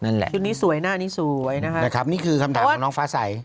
นั่นแหละชุดนี้สวยหน้านี้สวยนะครับนะครับนี่คือคำถามของน้องฟ้าใส